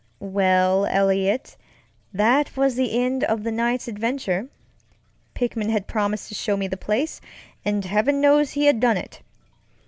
Well, Eliot, that was the end of the night's adventure. Pickman had promised to show me the place, and heaven knows he had done it.